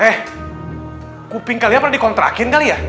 eh kuping kalian pernah di kontrakin kali ya